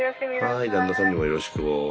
はい旦那さんにもよろしくを。